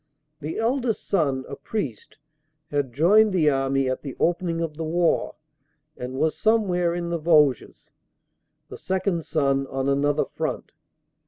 The eldest son, a priest, had joined the army at the opening of the war and was some where in the Vosges; the second son on another front.